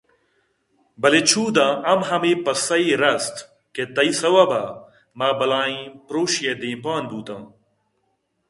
بلے چُوداں ہم ہمے پسّہ ئے رَست کہ تئی سَوَب ءَ ما بلاہیں پرٛوشے ءِ دیمپان بُوتاں